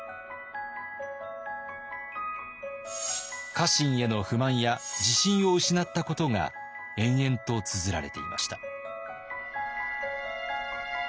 家臣への不満や自信を失ったことが延々とつづられていました。